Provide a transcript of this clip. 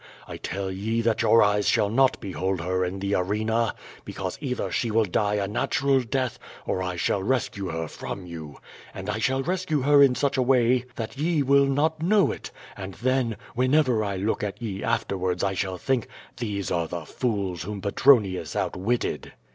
I tell ye that your eyes shall not behold her in the arena, because either she will die a natural death, or 1 shall rescue her from you. And I shall rescue her in such a way that ye will not know it, and then, whenever I look at ye afterwards I shall think: these are the fools whom Petronius outwitted.'